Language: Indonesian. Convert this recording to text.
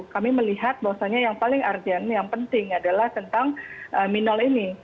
kami melihat bahwasannya yang paling urgent yang penting adalah tentang minol ini